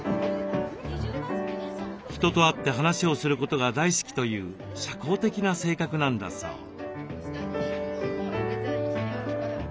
人と会って話をすることが大好きという社交的な性格なんだそう。